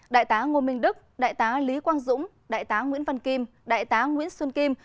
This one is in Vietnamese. đại tá ngô minh đức đại tá lý quang dũng đại tá nguyễn văn kim đại tá nguyễn xuân kim